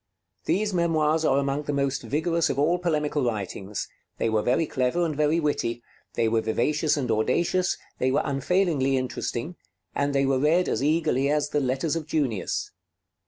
These memoirs are among the most vigorous of all polemical writings; they were very clever and very witty; they were vivacious and audacious; they were unfailingly interesting; and they were read as eagerly as the 'Letters of Junius.'